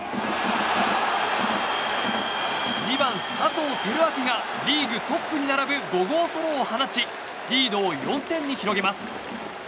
２番、佐藤輝明がリーグトップに並ぶ５号ソロを放ちリードを４点に広げます。